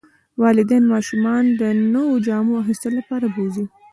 والدین ماشومان د نویو جامو اخیستلو لپاره بوځي.